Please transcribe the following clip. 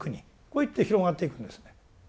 こういって広がっていくんですね。